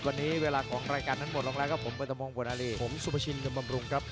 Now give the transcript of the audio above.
วันนี้เวลาของรายการนั้นหมดลงแล้วครับผมใบตมงบนอารีผมสุภาชินเงินบำรุงครับ